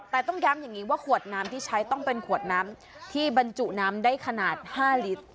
แต่ต้องย้ำอย่างนี้ว่าขวดน้ำที่ใช้ต้องเป็นขวดน้ำที่บรรจุน้ำได้ขนาด๕ลิตร